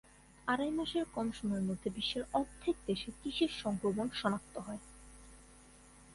আড়াই মাসের কম সময়ের মধ্যে বিশ্বের অর্ধেক দেশে কিসের সংক্রমণ শনাক্ত হয়?